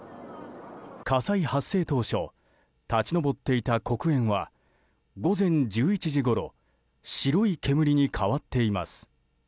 火災発生当初立ち上っていた黒煙は午前１１時ごろ白い煙に変わっています。